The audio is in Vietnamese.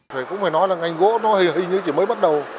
cũng phải nói là ngành gỗ nó hình như chỉ mới bắt đầu